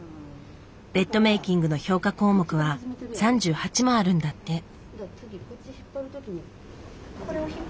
ベッドメイキングの評価項目は３８もあるんだって。